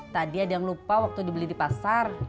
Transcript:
tadi ada yang lupa waktu dibeli di pasar